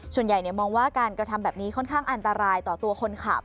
ส่วนใหญ่มองว่าการกระทำแบบนี้ค่อนข้างอันตรายต่อตัวคนขับ